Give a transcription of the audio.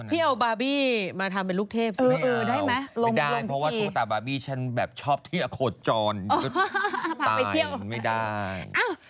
พี่เอาบาร์บี้มาทำเป็นลูกเทพสิไม่เอาไม่ได้เพราะว่าทั่วตาบาร์บี้ฉันแบบชอบเที่ยวโขดจรตายไม่ได้